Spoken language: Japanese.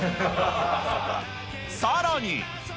さらに。